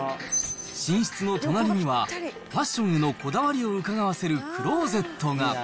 寝室の隣には、ファッションへのこだわりをうかがわせるクローゼットが。